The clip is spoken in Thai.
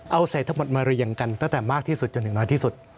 เอาเศษทั้งหมดมาเรียงกันตั้งแต่มากที่สุดจนถึงน้อยที่สุด